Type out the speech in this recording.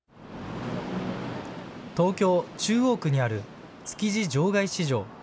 東京・中央区にある築地場外市場。